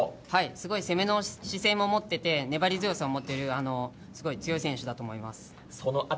すごい攻めの姿勢を持ってて、粘り強さも持ってるすごい選手だと思います。